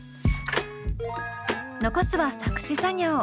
残すは作詞作業。